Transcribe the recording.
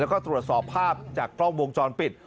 แล้วก็ตรวจสอบภาพจากกล้องวงจรปิด